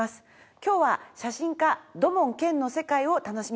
今日は写真家土門拳の世界を楽しみます。